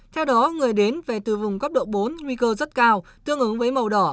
theo đó người đến về từ vùng cấp độ bốn nguy cơ rất cao tương ứng với màu đỏ